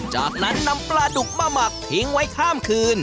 จากนั้นนำปลาดุกมาหมักทิ้งไว้ข้ามคืน